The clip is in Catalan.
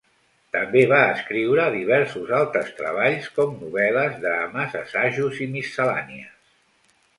També va escriure diversos altres treballs, com novel·les, drames, assajos i miscel·lànies.